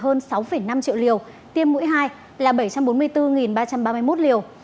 tổng số liều vaccine đã được tiêm là hơn sáu năm triệu liều tiêm mũi hai là bảy trăm bốn mươi bốn ba trăm ba mươi một liều